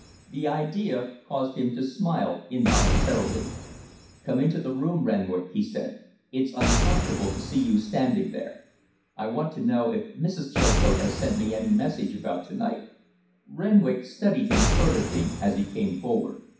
The idea caused him to smile involuntarily. "Come into the room, Renwick," he said. "It's uncomfortable to see you standing there. I want to know if Mrs. Chilcote has sent me any message about to night." Renwick studied him furtively as he came forward.